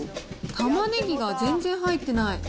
たまねぎが全然入ってない。